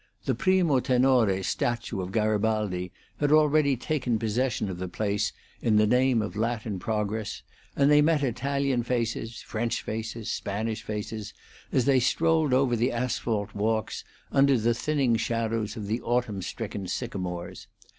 The 'primo tenore' statue of Garibaldi had already taken possession of the place in the name of Latin progress, and they met Italian faces, French faces, Spanish faces, as they strolled over the asphalt walks, under the thinning shadows of the autumn stricken sycamores.